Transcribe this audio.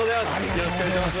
よろしくお願いします。